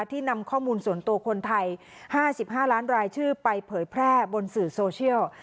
นำข้อมูลส่วนตัวคนไทย๕๕ล้านรายชื่อไปเผยแพร่บนสื่อโซเชียล